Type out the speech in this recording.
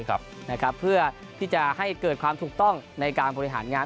เพื่อที่จะให้เกิดความถูกต้องในการบริหารงาน